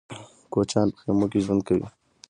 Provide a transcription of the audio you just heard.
کوچيان په خيمو کې ژوند کوي.